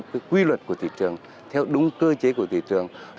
cái quy luật của thị trường theo đúng cơ chế của thị trường